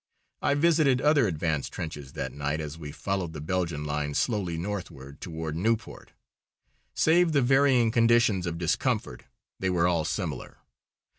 I visited other advanced trenches that night as we followed the Belgian lines slowly northward toward Nieuport. Save the varying conditions of discomfort, they were all similar.